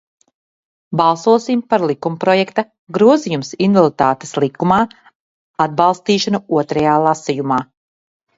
"Balsosim par likumprojekta "Grozījums Invaliditātes likumā" atbalstīšanu otrajā lasījumā!"